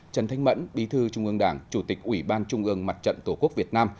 trần thanh mẫn bí thư trung ương đảng chủ tịch ủy ban trung ương mặt trận tổ quốc việt nam